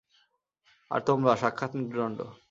আর তোমরা, সাক্ষাত মৃত্যুদূত।